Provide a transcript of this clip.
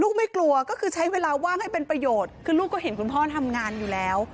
ไม่กลัวก็คือใช้เวลาว่างให้เป็นประโยชน์คือลูกก็เห็นคุณพ่อทำงานอยู่แล้ว